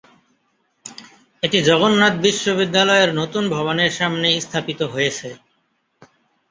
এটি জগন্নাথ বিশ্ববিদ্যালয়ের নতুন ভবনের সামনে স্থাপিত হয়েছে।